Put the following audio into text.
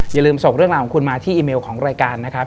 อย่าลืมส่งเรื่องราวของคุณมาที่อีเมลของรายการนะครับ